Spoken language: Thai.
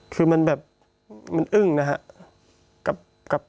คือมันแบบมันอึ้งนะครับ